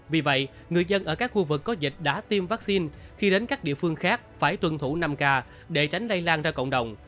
vì vậy người dân ở các khu vực có dịch đã tiêm vaccine khi đến các địa phương khác phải tuân thủ năm k để tránh lây lan ra cộng đồng